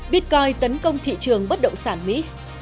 bitcoin tấn công thị trường bất động sản mỹ